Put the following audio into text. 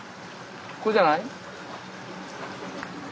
ここじゃない？